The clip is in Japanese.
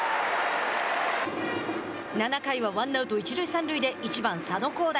７回はワンアウト、一塁三塁で１番、佐野皓大。